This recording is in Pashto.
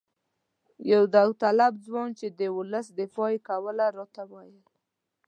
یو داوطلب ځوان چې د ولس دفاع یې کوله راته وویل.